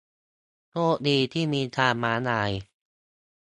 โชคดีที่มีทางม้าลาย